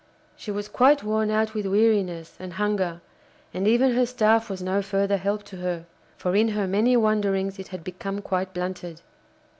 She was quite worn out with weariness and hunger, and even her staff was no further help to her, for in her many wanderings it had become quite blunted.